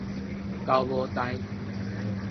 狗母秮